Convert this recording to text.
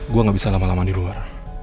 gua gabisa lama dua di luar